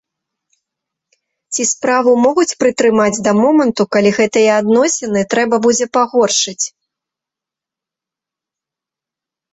Ці справу могуць прытрымаць да моманту, калі гэтыя адносіны трэба будзе пагоршыць?